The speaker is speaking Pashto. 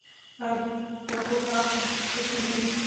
دا ټول هغه سانسکریت نومونه دي،